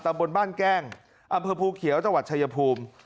บนบ้านแก้งอำเภอภูเขียวจังหวัดชายภูมิ